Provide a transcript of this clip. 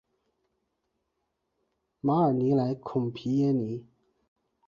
马尔尼莱孔皮耶尼。